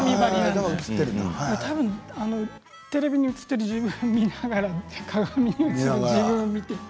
たぶんテレビに映っている自分を見ながら鏡に映る自分を見て。